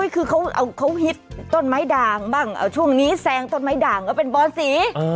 คือเขาฮิตต้นไม้ด่างบ้างช่วงนี้แซงต้นไม้ด่างก็เป็นบอสี